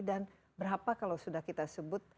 dan berapa kalau sudah kita sebut